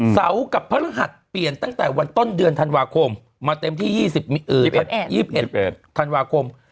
เสาร์กับพระฤหัสเปลี่ยนตั้งแต่วันต้นเดือนธันวาคมมาเต็มที่๒๑ธันวาคม